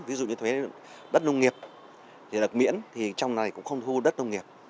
ví dụ như thuế đất nông nghiệp thì được miễn thì trong này cũng không thu đất nông nghiệp